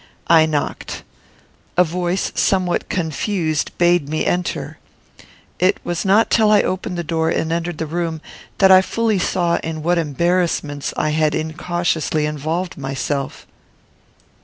I knocked. A voice somewhat confused bade me enter. It was not till I opened the door and entered the room, that I fully saw in what embarrassments I had incautiously involved myself.